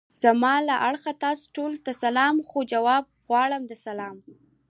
زما له اړخه تاسو ټولو ته سلام خو! جواب غواړم د سلام.